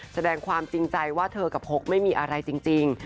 แสดงความจริงใจว่าเธอกับพกไม่มีอะไรจริง